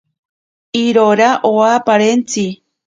Irora owa parentzi.